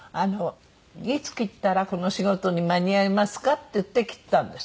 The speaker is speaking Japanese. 「いつ切ったらこの仕事に間に合いますか？」って言って切ったんです。